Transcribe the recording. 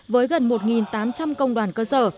với gần một tám trăm linh công đoàn cơ sở